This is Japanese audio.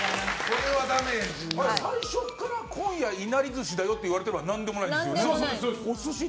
最初から今夜いなり寿司だよって言われてれば何でもないんですよね。